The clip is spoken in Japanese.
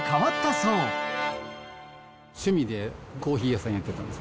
趣味でコーヒー屋さんやってたんです。